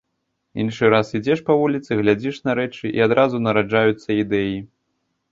Іншы раз ідзеш па вуліцы, глядзіш на рэчы і адразу нараджаюцца ідэі.